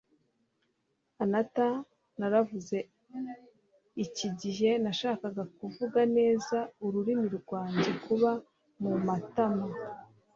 anata, 'naravuze. iki gihe nashakaga kuvuga neza ururimi rwanjye kuba mumatama